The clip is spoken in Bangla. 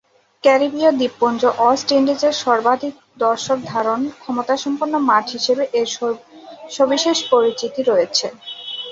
ক্যারিবিয় দ্বীপপুঞ্জ ওয়েস্ট ইন্ডিজের সর্বাধিক দর্শক ধারণ ক্ষমতাসম্পন্ন মাঠ হিসেবে এর সবিশেষ পরিচিতি রয়েছে।